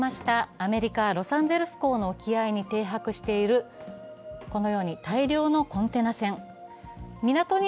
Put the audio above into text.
アメリカ・ロサンゼルス港の沖合に停泊しているこのように大量のコンテナ船。